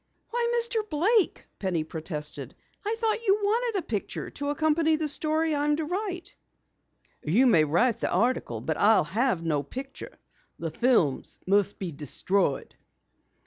"Why, Mr. Blake!" Penny protested. "I thought you wanted a picture to accompany the story I am to write." "You may write the article, but I'll have no picture. The films must be destroyed."